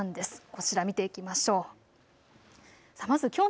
こちら見ていきましょう。